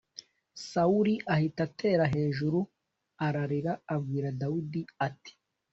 sawuli ahita atera hejuru ararira abwira dawidi ati